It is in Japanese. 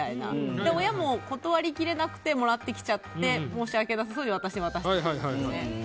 で、親も断り切れなくてもらってきちゃって申し訳なさそうに渡すみたいな。